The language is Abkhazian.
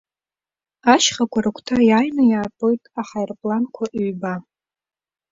Ашьхақәа рыгәҭа иааины иаатәоит аҳаирпланқәа ҩба.